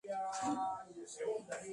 Pero el esfuerzo, le cuesta la vida.